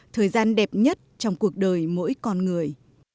thời gian đẹp nhất trong cuộc đời mỗi con người